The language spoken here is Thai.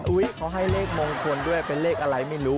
เขาให้เลขมงคลด้วยเป็นเลขอะไรไม่รู้